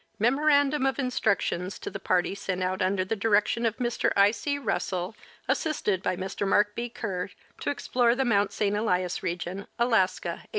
Memorandum of Instructions to the Party sent out under the Direction of Mr. I. C. Russell, assisted by Mr. Mark B. Kerr, to explore the Mount St. Elias Region, Alaska, 1890.